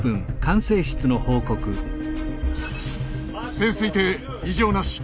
潜水艇異常なし。